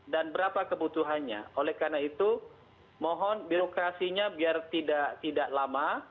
dan berapa kebutuhannya oleh karena itu mohon birokrasinya biar tidak lama